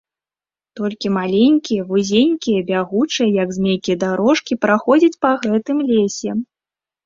Толькі маленькія, вузенькія, бягучыя, як змейкі, дарожкі праходзяць па гэтым лесе.